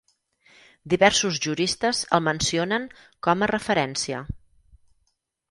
Diversos juristes el mencionen com a referència.